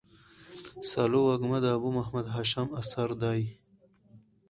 سالو وږمه د ابو محمد هاشم اثر دﺉ.